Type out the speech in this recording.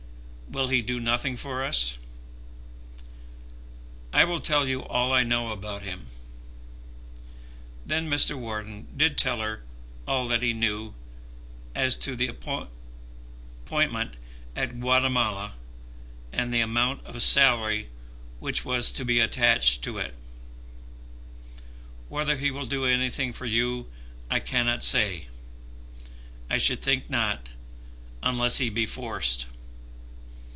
"Will he do nothing for us?" "I will tell you all I know about him." Then Mr. Wharton did tell her all that he knew, as to the appointment at Guatemala and the amount of salary which was to be attached to it. "Whether he will do anything for you, I cannot say; I should think not, unless he be forced.